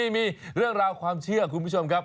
มีเรื่องราวความเชื่อคุณผู้ชมครับ